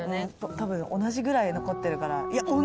多分同じぐらい残ってるから。